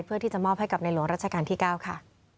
เพื่อที่จะมอบให้กับในหลวงรัชกาลที่๙ค่ะ